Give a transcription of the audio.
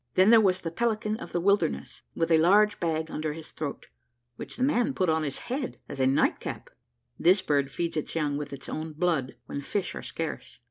Then there was the pelican of the wilderness, with a large bag under his throat, which the man put on his head as a night cap, this bird feeds its young with its own blood when fish are scarce.